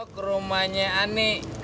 ke rumahnya ani